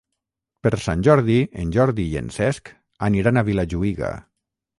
Per Sant Jordi en Jordi i en Cesc aniran a Vilajuïga.